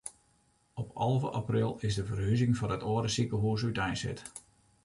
Op alve april is de ferhuzing fan it âlde sikehûs úteinset.